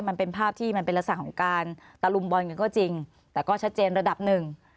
มันเป็นภาพที่มันเป็นลักษณะของการตะลุมบอลกันก็จริงแต่ก็ชัดเจนระดับหนึ่ง